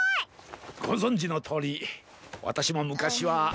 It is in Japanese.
ごぞんじのとおりわたしもむかしは。